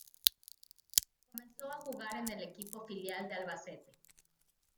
Comenzó a jugar en el equipo filial del Albacete.